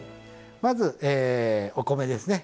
まずお米ですね。